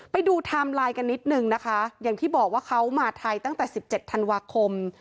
ไทม์ไลน์กันนิดนึงนะคะอย่างที่บอกว่าเขามาไทยตั้งแต่๑๗ธันวาคม